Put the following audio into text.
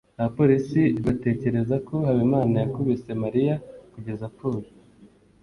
Abapolisi batekereza ko Habimana yakubise Mariya kugeza apfuye.